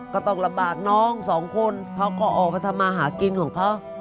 ก็ต้องลำบากน้องสองคนเขาก็ออกมาทำมาหากินของเขา